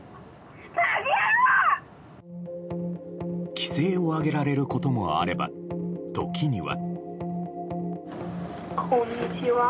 奇声を上げられることもあれば時には。